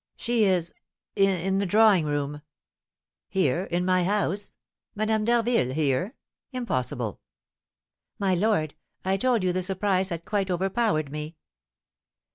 She is in the drawing room " "Here in my house? Madame d'Harville here? Impossible!" "My lord, I told you the surprise had quite overpowered me!"